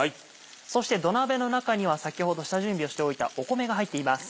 そして土鍋の中には先ほど下準備をしておいた米が入っています。